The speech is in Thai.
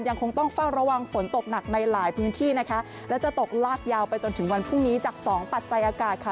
ยังคงต้องเฝ้าระวังฝนตกหนักในหลายพื้นที่นะคะและจะตกลากยาวไปจนถึงวันพรุ่งนี้จากสองปัจจัยอากาศค่ะ